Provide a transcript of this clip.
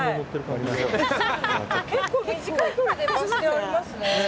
結構、短い距離でバス停がありますね。